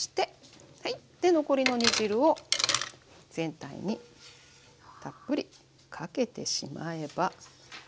はいで残りの煮汁を全体にたっぷりかけてしまえば。